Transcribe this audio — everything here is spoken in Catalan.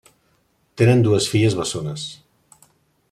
Tenen dues filles bessones.